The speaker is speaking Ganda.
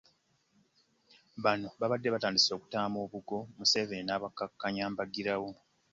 Bano baabadde batandise okutaama obugo Museveni n'abakkakkanya mbagirawo.